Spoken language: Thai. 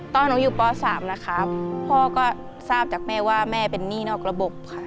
ตอนหนูอยู่ป๓นะครับพ่อก็ทราบจากแม่ว่าแม่เป็นหนี้นอกระบบค่ะ